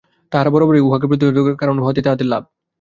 তাঁহারা বরাবরই উহাকে প্রতিহত করিতেছেন, কারণ উহাতেই তাঁহাদের লাভ।